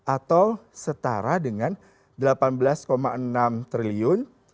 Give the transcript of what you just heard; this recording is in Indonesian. atau setara dengan rp delapan belas enam triliun